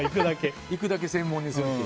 行くだけ専門にするっていう。